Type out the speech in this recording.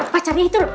pacarnya itu loh